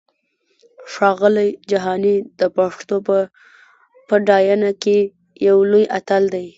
ښاغلی جهاني د پښتو په پډاینه کې یو لوی اتل دی!